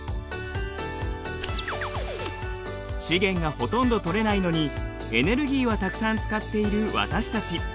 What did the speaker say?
資源がほとんど採れないのにエネルギーはたくさん使っている私たち。